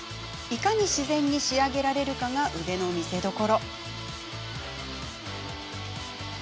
いかに自然に仕上げられるかが腕の見せどころ。